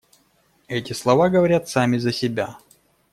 Эти слова говорят сами за себя.